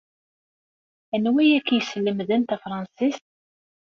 Anwa ay ak-yesselmaden tafṛensist?